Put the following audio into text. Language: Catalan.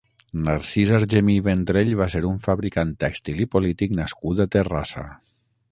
Narcís Argemí i Vendrell va ser un fabricant tèxtil i polític nascut a Terrassa.